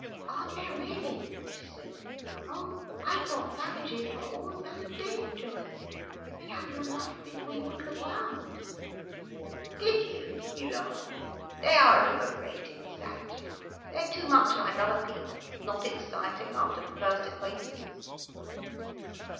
"Aren't there really?" she said. "Oh, I thought savages were all so dangerous, they'd have your life before you could look round." "Did you?" he laughed. "They are over rated, savages. They're too much like other people, not exciting, after the first acquaintance."